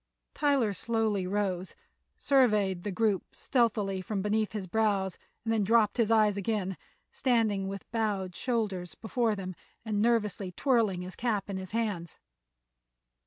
Tyler slowly rose, surveyed the group stealthily from beneath his brows and then dropped his eyes again, standing with bowed shoulders before them and nervously twirling his cap in his hands.